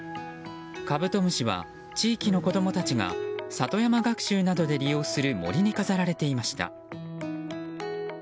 カブトムシは、地域の子供たちが里山学習などで利用する森に飾られていました。